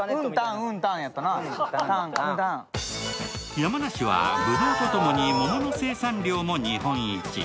山梨は、ぶどうとともに桃の生産量も日本一。